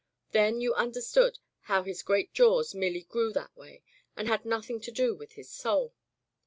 Then you under stood how his great jaws merely grew that way, and had nothing to do with his soul.